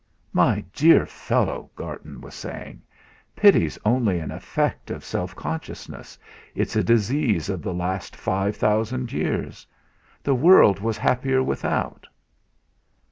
"My dear fellow," Garton was saying, "pity's only an effect of self consciousness; it's a disease of the last five thousand years. The world was happier without."